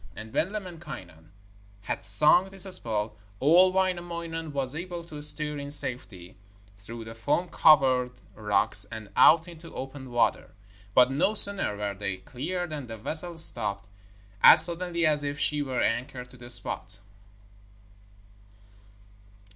And when Lemminkainen had sung this spell, old Wainamoinen was able to steer in safety through the foam covered rocks and out into open water; but no sooner were they clear than the vessel stopped as suddenly as if she were anchored to the spot.